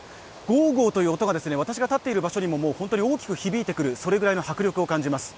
ゴウゴウという音が私が立っている場所にも大きく響いてくる、それぐらいの迫力を感じます。